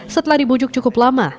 setelah dibujuk cukup lama